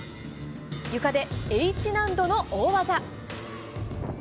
ゆかでＨ難度の大技。